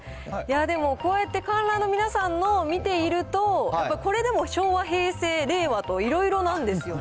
でもこうやって観覧の皆さんの見ていると、やっぱこれでも昭和・平成・令和といろいろなんですよね。